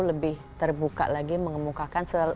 lebih terbuka lagi mengemukakan